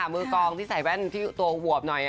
มือกองที่ใส่แว่นที่ตัวหวบหน่อย